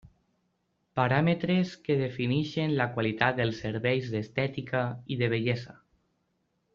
Paràmetres que defineixen la qualitat dels serveis d'estètica i de bellesa.